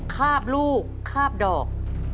คาบลูกคาบดอก